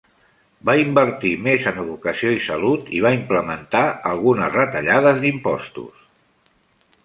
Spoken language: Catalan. Va invertir més en educació i salut, i va implementar algunes retallades d'impostos.